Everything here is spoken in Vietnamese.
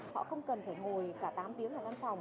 họ không cần phải ngồi cả tám tiếng ở văn phòng